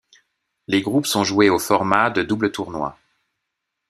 Les groupes sont joués au format de double tournoi.